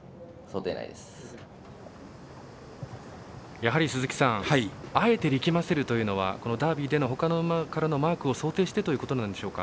やはり、鈴木さんあえて力ませるというのはダービーでのほかの馬からのマークを想定してということなんでしょうか。